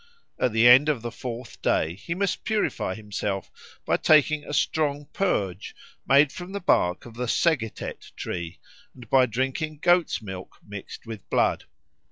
At the end of the fourth day he must purify himself by taking a strong purge made from the bark of the segetet tree and by drinking goat's milk mixed with blood.